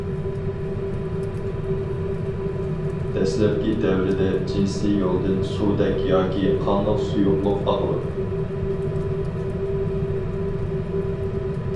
دەسلەپكى دەۋرىدە جىنسىي يولدىن سۇدەك ياكى قانلىق سۇيۇقلۇق ئاقىدۇ.